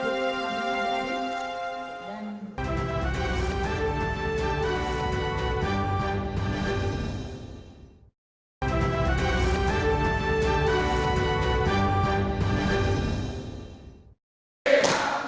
kekompakan ketahanan fisik dan kekuatan mental